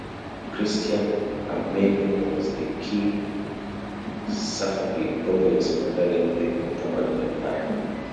Christian Armenia was a key Safavid province bordering the Ottoman Empire.